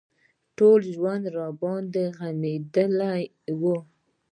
ټول ژوند راباندې غمېدلى و.